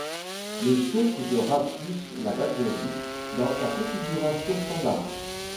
Le Sion coûtera plus la batterie dans sa configuration standard.